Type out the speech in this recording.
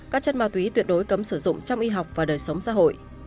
các chất ma túy tuyệt đối cấm sử dụng trong y học và đời sống xã hội